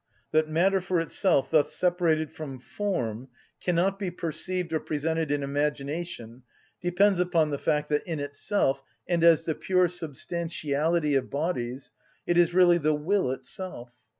That matter for itself, thus separated from form, cannot be perceived or presented in imagination depends upon the fact that in itself, and as the pure substantiality of bodies, it is really the will itself.